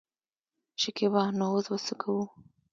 شکيبا : نو اوس به څه کوو.